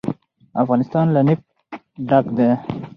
افغانستان له نفت ډک دی.